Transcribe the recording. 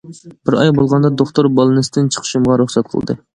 بىر ئاي بولغاندا دوختۇر بالنىستتىن چىقىشىمغا رۇخسەت قىلدى.